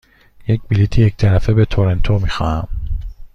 یک بلیط یک طرفه به تورنتو می خواهم.